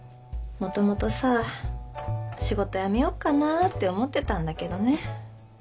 もともとさ仕事辞めよっかなって思ってたんだけどね。